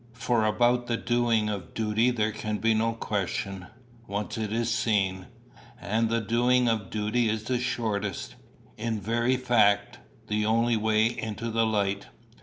For about the doing of duty there can be no question, once it is seen. And the doing of duty is the shortest in very fact, the only way into the light."